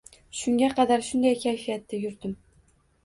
Shunga qadar shunday kayfiyatda yurdim.